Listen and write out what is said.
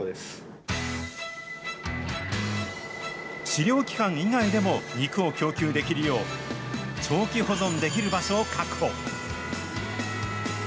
狩猟期間以外でも肉を供給できるよう、長期保存できる場所を確保。